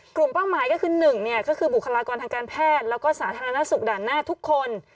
กลุ่มเป้าหมายก็คือ๑บุคลากรทางการแพทย์และสาธารณสุขด่านหน้าทุกคน